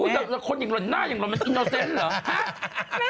แล้วคนอย่างหล่นหน้าอย่างหล่อนมันอินโนเซนต์เหรอ